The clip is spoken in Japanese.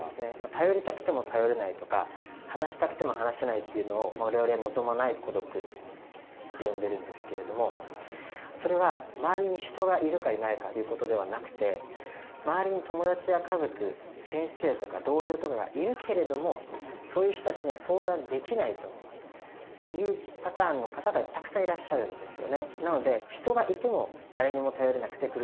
頼りたくても頼れないとか話したくても話せないっていうのを我々は望まない孤独って呼んでるんですけれどもそれは周りに人がいるかいないかということではなくて周りに友達や家族先生とか同僚とかがいるけれどもそういう人たちには相談できないというパターンの方がたくさんいらっしゃるんですよね。